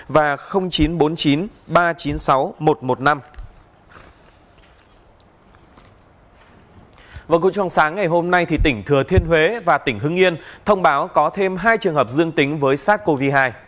vào cuối trong sáng ngày hôm nay thì tỉnh thừa thiên huế và tỉnh hưng yên thông báo có thêm hai trường hợp dương tính với sars cov hai